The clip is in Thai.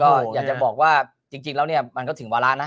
ก็อยากจะบอกว่าจริงแล้วเนี่ยมันก็ถึงวาระนะ